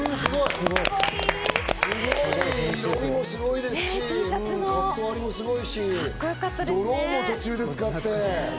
すごい！彩りもすごいですし、カット割りもすごいですし、ドローンも途中で使って。